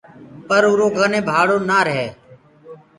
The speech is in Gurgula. پر اُرو ڪني ڀآڙو نآ رهي۔